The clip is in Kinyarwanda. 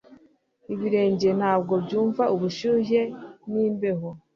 Ibirenge ntabwo byumva ubushyuhe nimbeho